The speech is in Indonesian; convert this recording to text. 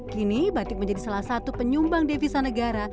kini batik menjadi salah satu penyumbang devisa negara